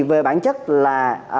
về bản chất là